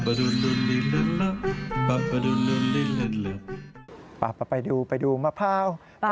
ปะปะไปดูไปดูมะพร้าวกันปะปะไปดูมะพร้าวกันไปดูมะพร้าวกันไปดูมะพร้าวหน่อยครับ